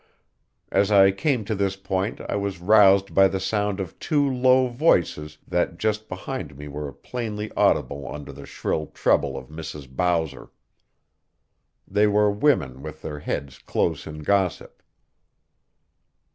As I came to this point I was roused by the sound of two low voices that just behind me were plainly audible under the shrill treble of Mrs. Bowser. They were women with their heads close in gossip.